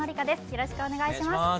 よろしくお願いします。